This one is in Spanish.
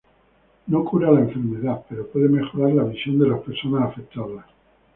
No cura la enfermedad, pero puede mejorar la visión de las personas afectadas.